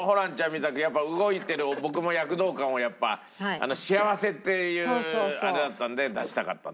みたくやっぱ動いてる僕も躍動感をやっぱ幸せっていうあれだったんで出したかったんですね。